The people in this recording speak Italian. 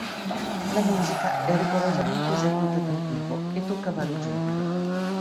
La musica è rigorosamente eseguita dal vivo e tocca vari generi.